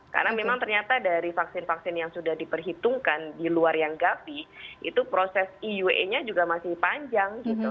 karena memang ternyata dari vaksin vaksin yang sudah diperhitungkan di luar yang gavi itu proses iue nya juga masih panjang